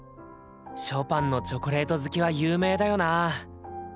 ショパンのチョコレート好きは有名だよな！